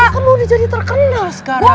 kan lu udah jadi terkenal sekarang